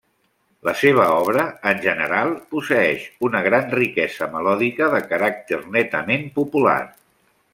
La seva obra, en general, posseeix una gran riquesa melòdica de caràcter netament popular.